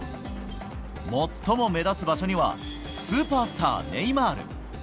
最も目立つ場所には、スーパースター、ネイマール。